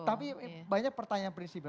tapi banyak pertanyaan prinsipnya